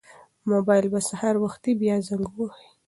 موبایل به سهار وختي بیا زنګ وهي.